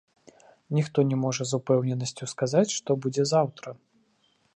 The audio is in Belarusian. Ніхто не можа з упэўненасцю сказаць, што будзе заўтра.